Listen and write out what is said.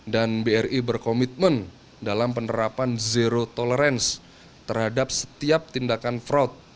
dan bri berkomitmen dalam penerapan zero tolerance terhadap setiap tindakan fraud